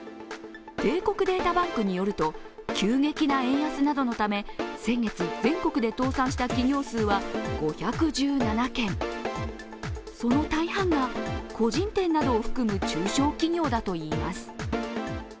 帝国データバンクによると急激な円安などのため、先月、全国で倒産した企業数は５１７件、その大半が個人店などを含む中小企業だといいます。